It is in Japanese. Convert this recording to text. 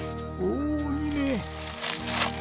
おおいいね。